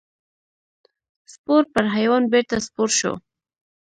سپور پر حیوان بېرته سپور شو.